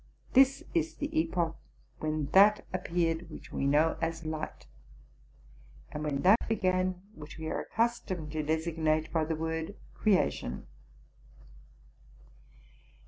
This is the epoch when that appeared which we know as light, and when that began which we are accustomed to designate by the word creation.